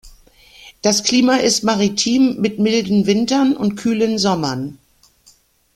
Das Klima ist maritim mit milden Wintern und kühlen Sommern.